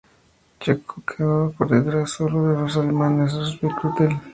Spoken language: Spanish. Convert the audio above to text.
Checo quedó por detrás solo de los alemanes Rosberg y Vettel.